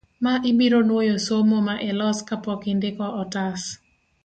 ma ibiro nwoyo somo ma ilos ka pok indiko otas